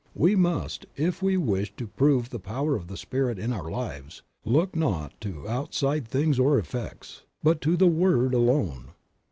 We must, if we wish to prove the power of the Spirit in our lives, look not to outside things or effects, but to the Word alone.